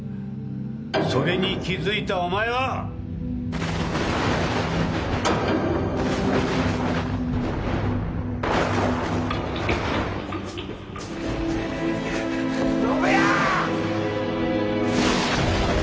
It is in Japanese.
それに気づいたお前は！宣也！